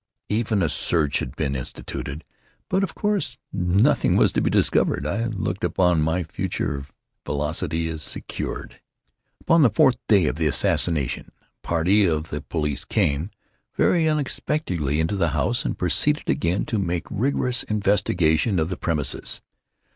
Even a search had been instituted—but of course nothing was to be discovered. I looked upon my future felicity as secured. Upon the fourth day of the assassination, a party of the police came, very unexpectedly, into the house, and proceeded again to make rigorous investigation of the premises.